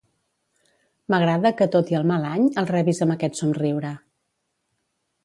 M'agrada que tot i el mal any, el rebis amb aquest somriure.